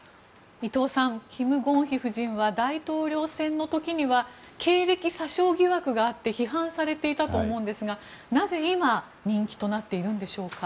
伊藤さんキム・ゴンヒ夫人は大統領選の時には経歴詐称疑惑があって批判されていたと思いますがなぜ今人気となっているんでしょうか。